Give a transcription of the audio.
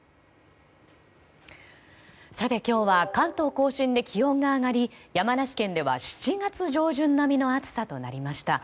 今日は関東・甲信で気温が上がり山梨県では７月上旬並みの暑さとなりました。